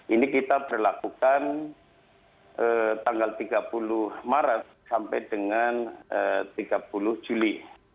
ini kita berlakukan tanggal tiga puluh maret sampai dengan tiga puluh juli